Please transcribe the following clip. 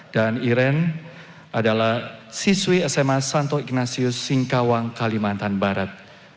iren adalah siswi sma santo ignatius singkawang kalimantan barat